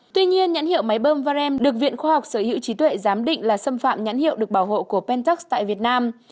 tuy nhiên nhãn hiệu máy bơm varem được viện khoa học sở hữu trí tuệ giám định là xâm phạm nhãn hiệu được bảo hộ của pentux tại việt nam